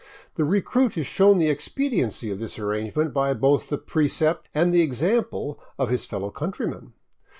The recruit is shown the expediency of this arrangement by both the precept and the example of his fellow countrymen.